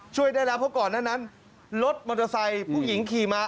ช่วยได้แล้วเพราะก่อนหน้านั้นรถมอเตอร์ไซค์ผู้หญิงขี่มา